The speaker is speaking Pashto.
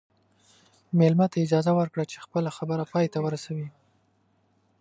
مېلمه ته اجازه ورکړه چې خپله خبره پای ته ورسوي.